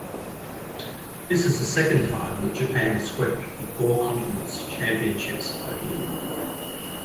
This is the second time that Japan swept the Four Continents Championships' podium.